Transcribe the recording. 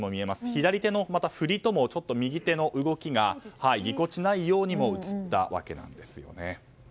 左手の振りと右手の動きがぎこちないようにも映ったわけです。